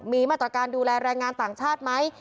มีมาตรการดูแลแรงงานต่างชาติไหม